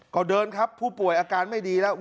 ก็เดินครับผู้ป่วยอาการไม่ดีแล้ว